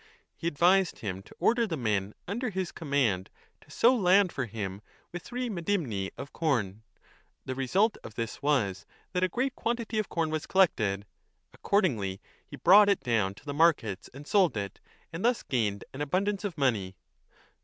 20 He advised him to order the men under his command to sow land for him with three medinmi of corn. The result of this was that a great quantity of corn was collected. Accordingly he brought it down to the markets and sold it, and thus gained an abundance of money.